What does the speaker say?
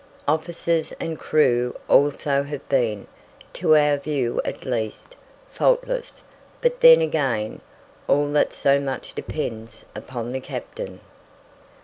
Officers and crew also have been, to our view at least, faultless; but then, again, all that so much depends upon the captain.